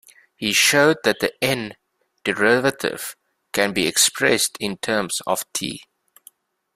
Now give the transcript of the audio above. He showed that the "n" derivative can be expressed in terms of "T".